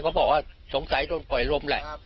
เขาบอกว่าสงสัยโดนปล่อยลมแหละ